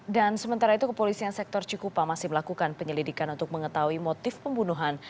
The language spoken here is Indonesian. dan sementara itu kepolisian sektor cikupa masih melakukan penyelidikan untuk mengetahui motif pembunuhan